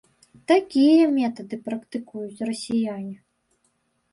Такія метады практыкуюць расіяне.